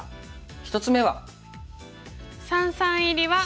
１つ目は。